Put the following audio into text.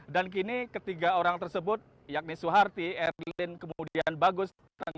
dan kini ketiga orang tersebut yakni suharti erlin kemudian bagus